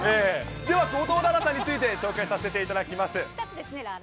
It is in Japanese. では、後藤楽々さんについて、紹介させていただきます。